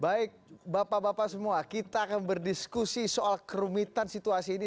baik bapak bapak semua kita akan berdiskusi soal kerumitan situasi ini